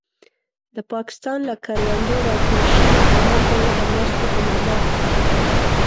د پاکستان له کروندو راټول شوي غنم به يې د مرستې په نامه غوښتل.